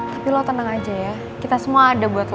tapi lo tenang aja ya kita semua ada buat lo